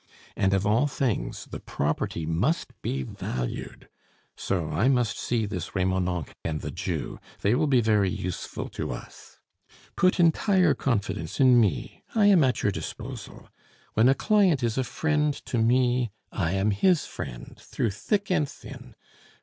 And of all things, the property must be valued. So I must see this Remonencq and the Jew; they will be very useful to us. Put entire confidence in me, I am at your disposal. When a client is a friend to me, I am his friend through thick and thin.